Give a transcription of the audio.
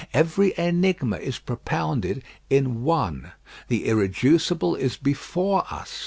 Every enigma is propounded in one. The irreducible is before us.